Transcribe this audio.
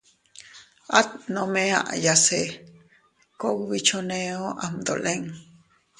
At nome aʼaya se kugbi choneo am dolin.